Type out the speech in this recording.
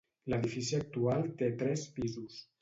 L'edifici actual té tres pisos.